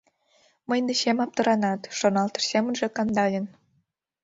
«Мый дечем аптыранат», — шоналтыш семынже Кандалин.